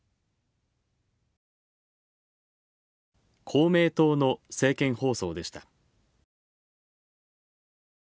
公明党の政見放送でした。